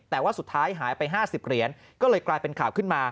แต่ว่าสุดท้ายหายไป๕๐เหรียญก็เลยกลายเป็นข่าวขึ้นมา